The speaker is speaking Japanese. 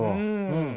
うん。